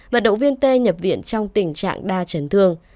vận động viên tê nhập viện trong tình trạng đa chấn thương